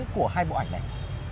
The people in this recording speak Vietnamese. của hai bộ ảnh này